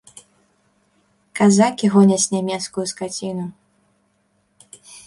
Казакі гоняць нямецкую скаціну.